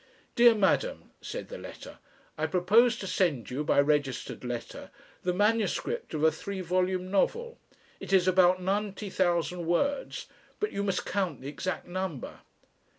"Dear Madam," said the letter, "I propose to send you, by registered letter, the MS. of a three volume novel. It is about 90,000 words but you must count the exact number."